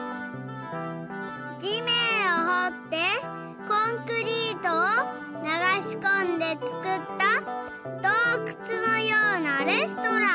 地めんをほってコンクリートをながしこんでつくったどうくつのようなレストラン。